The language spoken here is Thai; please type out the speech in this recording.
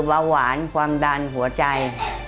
เบาหวานความดันหัวใจ